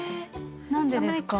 何でですか？